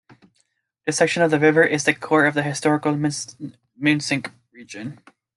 This section of the river is the core of the historical Minisink region.